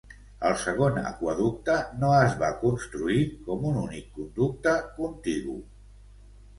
El segon aqüeducte no es va construir com un únic conducte contigu.